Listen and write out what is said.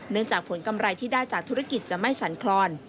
จากผลกำไรที่ได้จากธุรกิจจะไม่สันคลอน